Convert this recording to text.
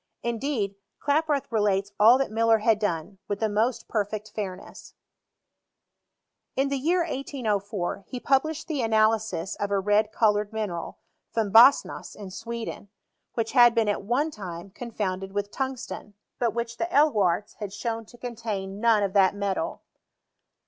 Indeed, Klaproth relates all that Muller had done, with the most per fect fairness. In the year 1804 he published the analysis of a red coloured mineral, from Bastnas in Sweden, which had been at one time confounded with tungsten ; but which the Elhuyarts had shown to contain none VOL. XI. p I 210 HIBTORT OP CnE«ISXB,Y. of that metal.